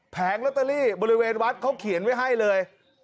แผงแล้วตะลี่บริเวณวัดเขาเขียนไว้ให้เลย